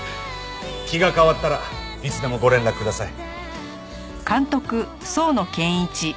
気が変わったらいつでもご連絡ください。